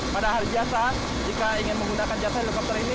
pada hari biasa jika ingin menggunakan jasa helikopter ini